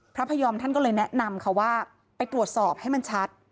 พระพยอมท่านก็เลยแนะนำค่ะว่าไปตรวจสอบให้มันชัด